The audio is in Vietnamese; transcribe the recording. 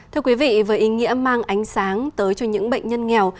thưa quý vị với ý nghĩa mang ánh sáng tới cho những bệnh nhân nghèo